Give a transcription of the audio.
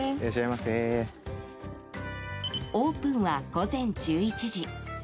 オープンは午前１１時。